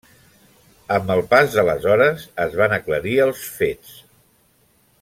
Amb el pas de les hores es van aclarir els fets.